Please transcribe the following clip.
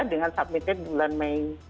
dengan submitted bulan mei